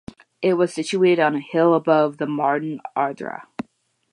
It was situated on a hill above the modern Adra.